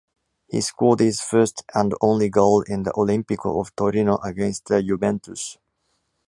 He scored his first and only goal in the Olímpico of Torino against the Juventus.